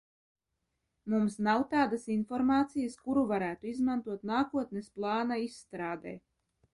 Mums nav tādas informācijas, kuru varētu izmantot nākotnes plāna izstrādē.